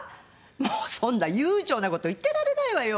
もうそんな悠長なこと言ってられないわよ。